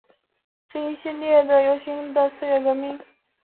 这一系列的游行示威事件及学生运动称为四月革命。